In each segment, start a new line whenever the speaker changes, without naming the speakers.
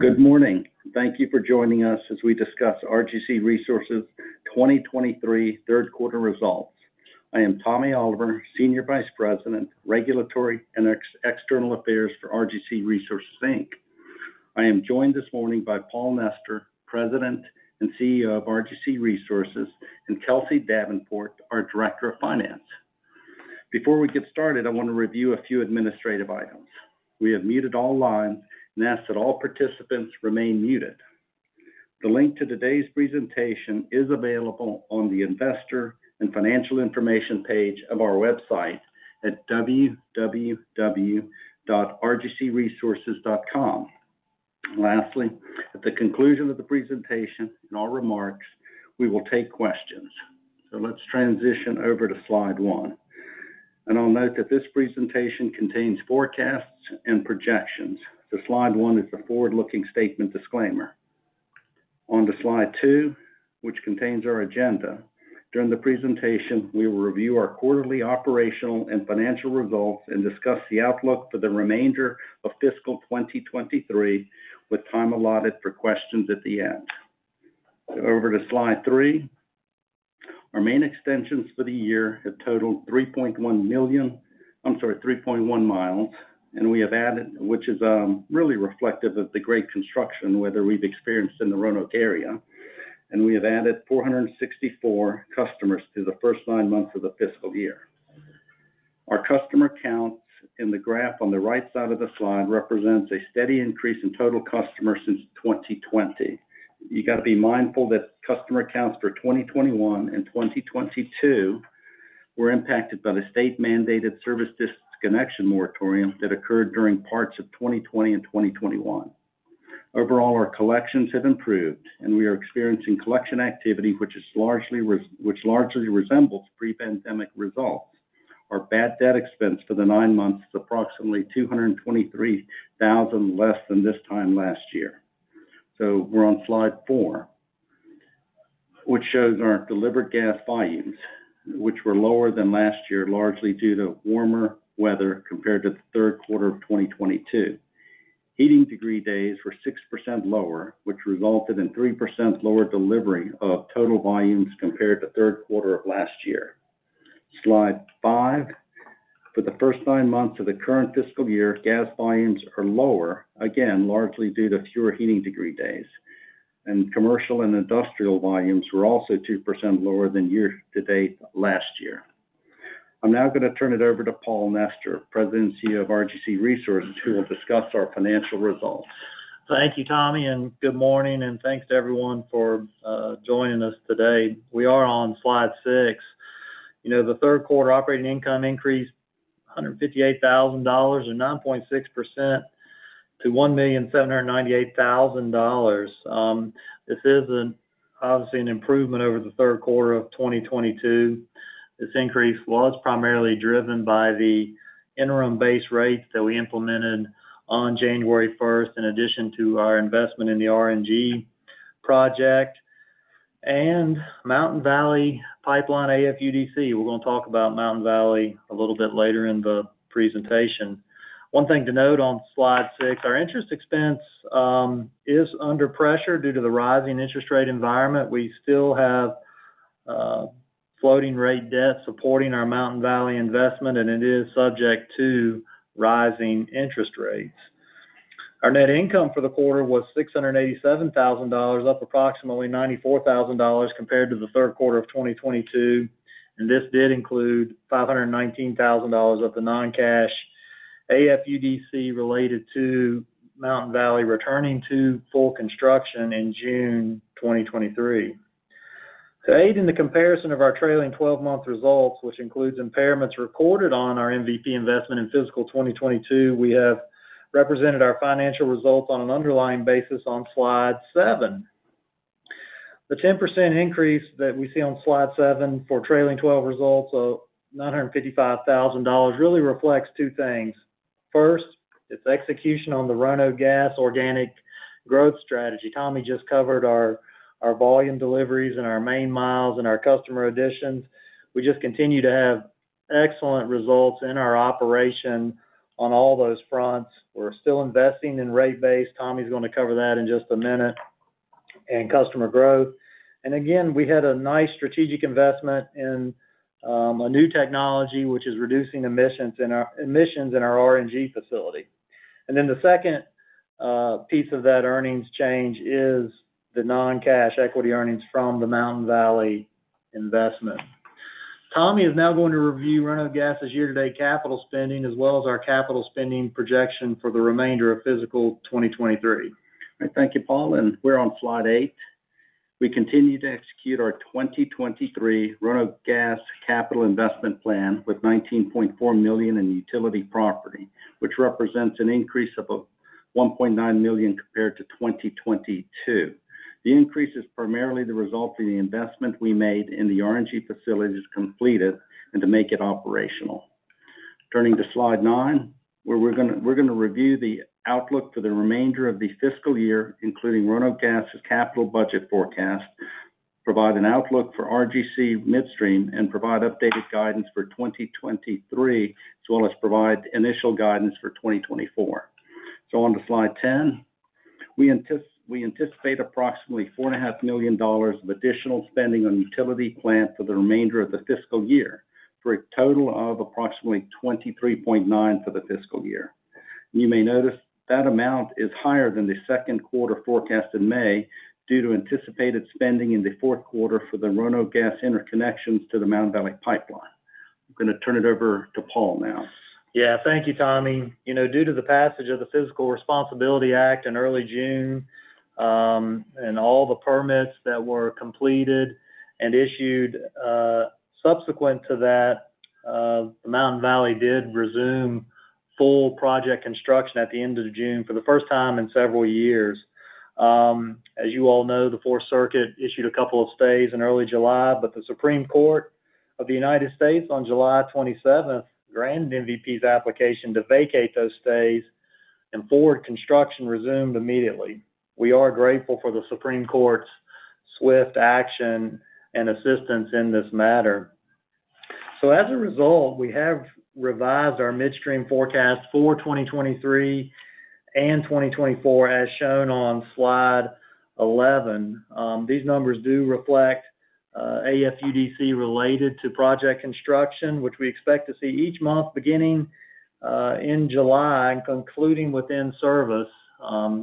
Well, good morning. Thank you for joining us as we discuss RGC Resources' 2023 third quarter results. I am Tommy Oliver, Senior Vice President, Regulatory and External Affairs for RGC Resources, Inc. I am joined this morning by Paul Nester, President and CEO of RGC Resources, and Kelsie Davenport, our Director of Finance. Before we get started, I want to review a few administrative items. We have muted all lines and ask that all participants remain muted. The link to today's presentation is available on the Investor and Financial Information page of our website at www.rgcresources.com. Lastly, at the conclusion of the presentation and all remarks, we will take questions. Let's transition over to slide one. I'll note that this presentation contains forecasts and projections. Slide one is the forward-looking statement disclaimer. On to slide two, which contains our agenda. During the presentation, we will review our quarterly operational and financial results and discuss the outlook for the remainder of fiscal 2023, with time allotted for questions at the end. Over to slide three. Our main extensions for the year have totaled 3.1 million, I'm sorry, 3.1 miles, and we have added, which is really reflective of the great construction weather we've experienced in the Roanoke area, and we have added 464 customers through the first nine months of the fiscal year. Our customer counts in the graph on the right side of the slide represents a steady increase in total customers since 2020. You got to be mindful that customer counts for 2021 and 2022 were impacted by the state-mandated service disconnection moratorium that occurred during parts of 2020 and 2021. Overall, our collections have improved, and we are experiencing collection activity, which largely resembles pre-pandemic results. Our bad debt expense for the nine months is approximately $223,000, less than this time last year. We're on slide four, which shows our delivered gas volumes, which were lower than last year, largely due to warmer weather compared to the third quarter of 2022. Heating degree days were 6% lower, which resulted in 3% lower delivery of total volumes compared to third quarter of last year. Slide five. For the first nine months of the current fiscal year, gas volumes are lower, again, largely due to fewer heating degree days. Commercial and industrial volumes were also 2% lower than year-to-date last year. I'm now going to turn it over to Paul Nester, President and CEO of RGC Resources, who will discuss our financial results.
Thank you, Tommy. Good morning, and thanks to everyone for joining us today. We are on slide 6. You know, the third quarter operating income increased $158,000, or 9.6%, to $1,798,000. This is obviously an improvement over the third quarter of 2022. This increase was primarily driven by the interim base rates that we implemented on January 1st, in addition to our investment in the RNG project and Mountain Valley Pipeline AFUDC. We're going to talk about Mountain Valley a little bit later in the presentation. One thing to note on slide six, our interest expense is under pressure due to the rising interest rate environment. We still have floating rate debt supporting our Mountain Valley investment. It is subject to rising interest rates. Our net income for the quarter was $687,000, up approximately $94,000 compared to the third quarter of 2022. This did include $519,000 of the non-cash AFUDC related to Mountain Valley returning to full construction in June 2023. To aid in the comparison of our trailing twelve-month results, which includes impairments recorded on our MVP investment in fiscal 2022, we have represented our financial results on an underlying basis on slide seven. The 10% increase that we see on slide seven for trailing twelve results, $955,000, really reflects two things. First, it's execution on the Roanoke Gas organic growth strategy. Tommy just covered our volume deliveries and our main miles and our customer additions. We just continue to have excellent results in our operation on all those fronts. We're still investing in rate base, Tommy's going to cover that in just a minute, and customer growth. Again, we had a nice strategic investment in a new technology, which is reducing emissions in our-- emissions in our RNG facility. The second piece of that earnings change is the non-cash equity earnings from the Mountain Valley investment. Tommy is now going to review Roanoke Gas's year-to-date capital spending, as well as our capital spending projection for the remainder of fiscal 2023.
Thank you, Paul. We're on slide eight. We continue to execute our 2023 Roanoke Gas capital investment plan with 19.4 million in utility property, which represents an increase of 1.9 million compared to 2022. The increase is primarily the result of the investment we made in the RNG facilities completed and to make it operational. Turning to slide nine, where we're gonna review the outlook for the remainder of the fiscal year, including Roanoke Gas's capital budget forecast, provide an outlook for RGC Midstream, and provide updated guidance for 2023, as well as provide initial guidance for 2024. On to slide 10. We anticipate approximately $4.5 million of additional spending on utility plant for the remainder of the fiscal year, for a total of approximately 23.9 million for the fiscal year. You may notice that amount is higher than the second quarter forecast in May, due to anticipated spending in the fourth quarter for the Roanoke Gas interconnections to the Mountain Valley Pipeline. I'm gonna turn it over to Paul now.
Yeah. Thank you, Tommy. You know, due to the passage of the Fiscal Responsibility Act in early June, all the permits that were completed and issued subsequent to that, the Mountain Valley did resume full project construction at the end of June for the first time in several years. As you all know, the Fourth Circuit issued a couple of stays in early July, the Supreme Court of the United States, on July 27th, granted MVP's application to vacate those stays, forward construction resumed immediately. We are grateful for the Supreme Court's swift action and assistance in this matter. As a result, we have revised our midstream forecast for 2023 and 2024, as shown on slide 11. These numbers do reflect AFUDC related to project construction, which we expect to see each month, beginning in July, and concluding with in-service.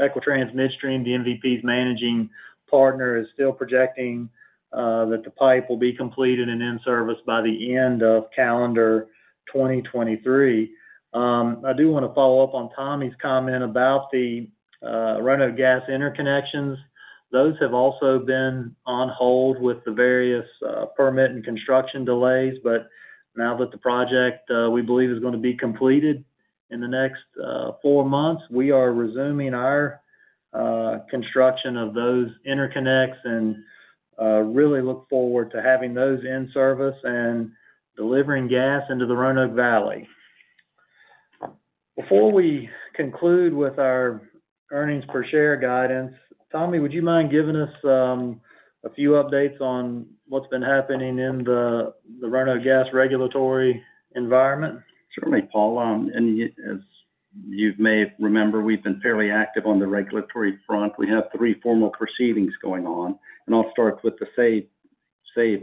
Equitrans Midstream, the MVP's managing partner, is still projecting that the pipe will be completed and in service by the end of calendar 2023. I do wanna follow up on Tommy's comment about the Roanoke Gas interconnections. Those have also been on hold with the various permit and construction delays. Now that the project, we believe is gonna be completed in the next four months, we are resuming our construction of those interconnects and really look forward to having those in service and delivering gas into the Roanoke Valley. Before we conclude with our earnings per share guidance, Tommy, would you mind giving us a few updates on what's been happening in the Roanoke Gas regulatory environment?
Certainly, Paul. As you may remember, we've been fairly active on the regulatory front. We have three formal proceedings going on, I'll start with the SAVE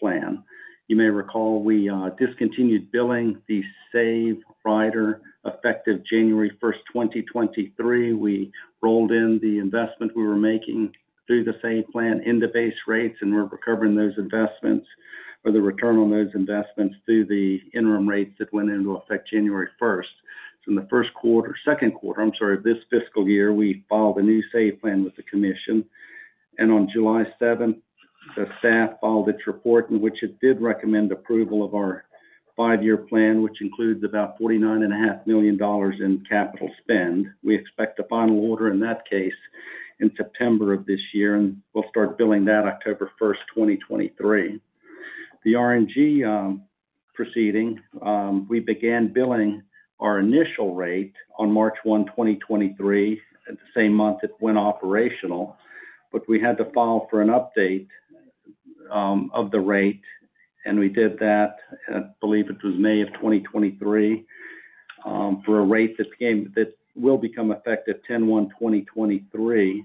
plan. You may recall, we discontinued billing the SAVE rider, effective January 1, 2023. We rolled in the investment we were making through the SAVE plan into base rates, and we're recovering those investments, or the return on those investments, through the interim rates that went into effect January 1. In the first quarter-- second quarter, I'm sorry, of this fiscal year, we filed a new SAVE plan with the commission. On July 7, the staff filed its report, in which it did recommend approval of our five-year plan, which includes about $49.5 million in capital spend. We expect a final order in that case in September of this year, and we'll start billing that October 1st, 2023. The RNG proceeding, we began billing our initial rate on March 1, 2023, the same month it went operational. We had to file for an update of the rate, and we did that, I believe it was May of 2023, for a rate that became that will become effective 10/1, 2023,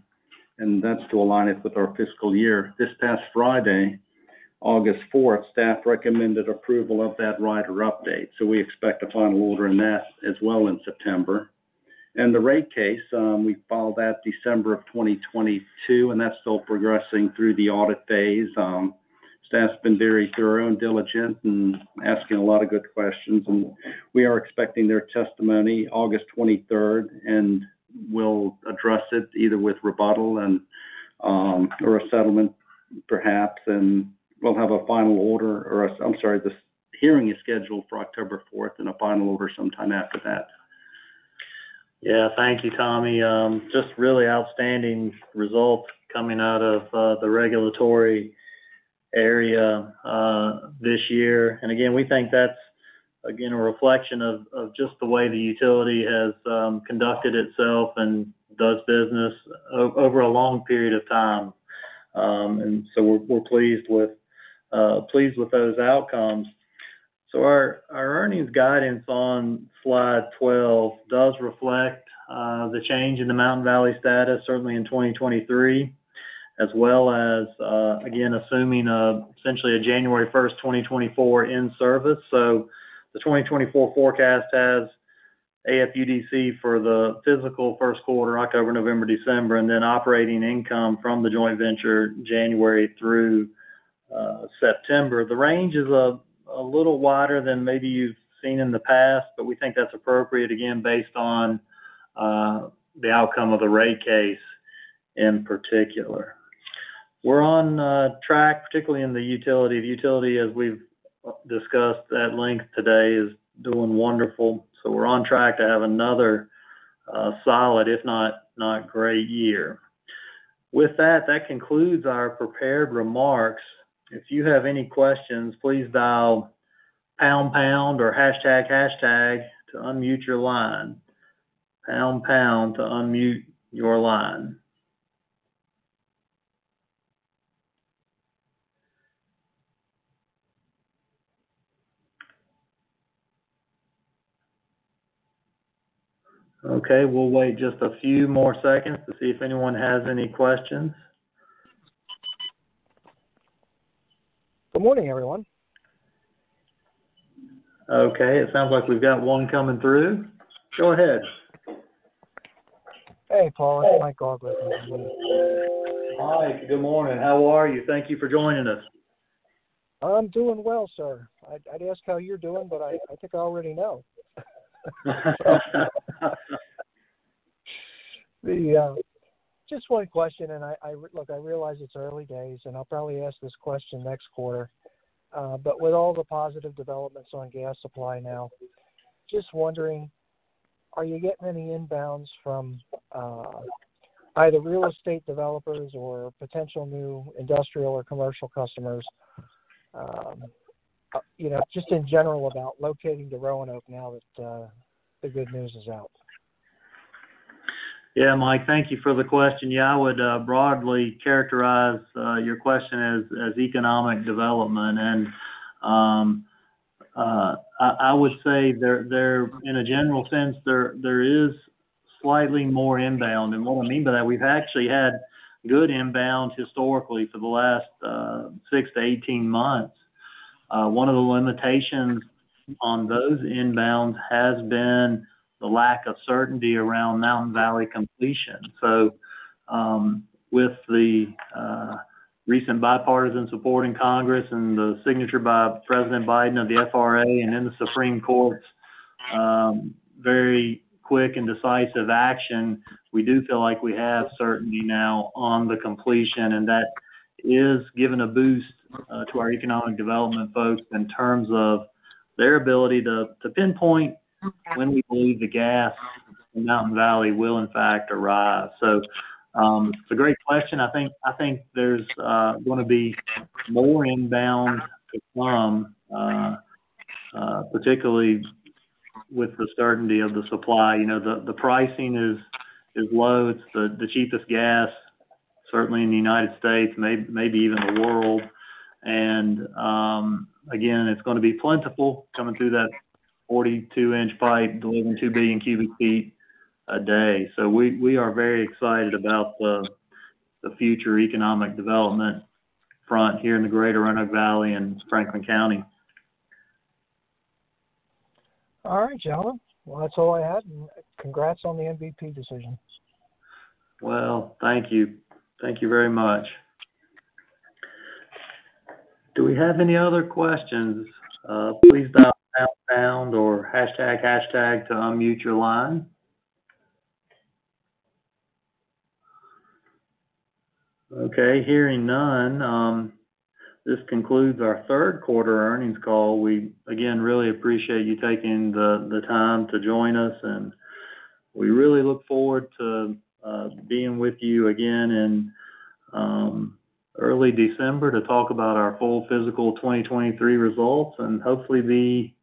and that's to align it with our fiscal year. This past Friday, August 4th, staff recommended approval of that rider update, so we expect a final order on that as well in September. The rate case, we filed that December of 2022, and that's still progressing through the audit phase. Staff's been very thorough and diligent in asking a lot of good questions. We are expecting their testimony August 23rd. We'll address it either with rebuttal and, or a settlement, perhaps. We'll have a final order or, I'm sorry, the hearing is scheduled for October 4th. A final order sometime after that.
Yeah. Thank you, Tommy. just really outstanding results coming out of the regulatory area this year. Again, we think that's, again, a reflection of, of just the way the utility has conducted itself and does business over a long period of time. We're, we're pleased with, pleased with those outcomes. Our, our earnings guidance on slide 12 does reflect the change in the Mountain Valley status, certainly in 2023, as well as, again, assuming essentially a January 1st, 2024, in service. The 2024 forecast has AFUDC for the fiscal first quarter, October, November, December, and then operating income from the joint venture, January through September. The range is a, a little wider than maybe you've seen in the past, but we think that's appropriate, again, based on the outcome of the rate case, in particular. We're on track, particularly in the utility. The utility, as we've discussed at length today, is doing wonderful, so we're on track to have another solid, if not, not great year. With that, that concludes our prepared remarks. If you have any questions, please dial pound, pound or hashtag, hashtag to unmute your line.... pound, pound to unmute your line. Okay, we'll wait just a few more seconds to see if anyone has any questions.
Good morning, everyone.
Okay, it sounds like we've got one coming through. Go ahead.
Hey, Paul, it's Mike Gaugler.
Hi, good morning. How are you? Thank you for joining us.
I'm doing well, sir. I'd ask how you're doing, but I think I already know. Just one question, and I look, I realize it's early days, and I'll probably ask this question next quarter. With all the positive developments on gas supply now, just wondering, are you getting any inbounds from either real estate developers or potential new industrial or commercial customers, you know, just in general about locating to Roanoke now that the good news is out?
Yeah, Mike, thank you for the question. Yeah, I would broadly characterize your question as, as economic development. I would say in a general sense, there is slightly more inbound. What we mean by that, we've actually had good inbounds historically for the last six-18 months. One of the limitations on those inbounds has been the lack of certainty around Mountain Valley completion. With the recent bipartisan support in Congress and the signature by President Biden of the FRA and then the Supreme Court's very quick and decisive action, we do feel like we have certainty now on the completion, and that is giving a boost to our economic development, both in terms of their ability to pinpoint when we believe the gas in Mountain Valley will, in fact, arrive. It's a great question. I think, I think there's going to be more inbound to come, particularly with the certainty of the supply. You know, the pricing is low. It's the cheapest gas, certainly in the United States, may- maybe even the world. Again, it's going to be plentiful, coming through that 42-inch pipe, delivering two billion cubic feet a day. We are very excited about the future economic development front here in the Greater Roanoke Valley and Franklin County.
All right, gentlemen. Well, that's all I had, and congrats on the MVP decision.
Well, thank you. Thank you very much. Do we have any other questions? Please dial pound, pound or hashtag, hashtag to unmute your line. Okay, hearing none, this concludes our third quarter earnings call. We, again, really appreciate you taking the, the time to join us, and we really look forward to being with you again in early December to talk about our full fiscal 2023 results and hopefully be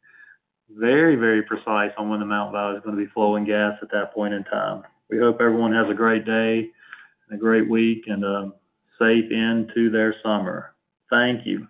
very, very precise on when the Mountain Valley is going to be flowing gas at that point in time. We hope everyone has a great day and a great week and a safe end to their summer. Thank you.